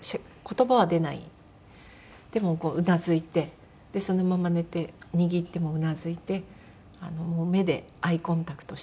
でもこううなずいてそのまま寝て握ってもうなずいてもう目でアイコンタクトしてっていう。